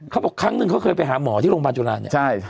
เขาบอกครั้งนึงเขาเคยไปหาหมอที่โรงพยาบาลจุฬาณเนี่ยใช่